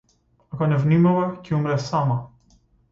Ако не внимава ќе умре сама.